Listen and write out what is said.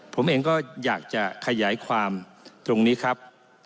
ผมเองก็อยากจะขยายความตรงนี้ครับ